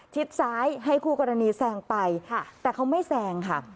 ซ้ายให้คู่กรณีแซงไปแต่เขาไม่แซงค่ะ